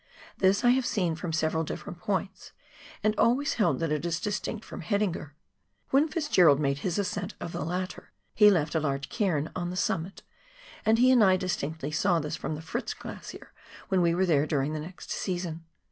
This I have seen from several different points, and always held that it is distinct from Haidinger. When Fitz Gerald made his ascent of the latter he left a large cairn on the summit, and he and I distinctly saw this from the Fritz Glacier when we were there during the next season.